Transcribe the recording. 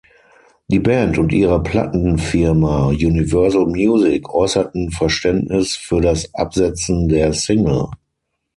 Die Band und ihre Plattenfirma Universal Music äußerten Verständnis für das Absetzen der Single.